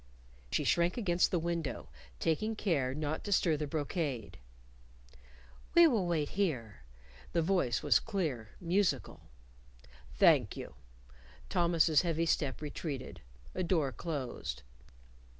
She shrank against the window, taking care not to stir the brocade. "We will wait here," the voice was clear, musical. "Thank you." Thomas's heavy step retreated. A door closed.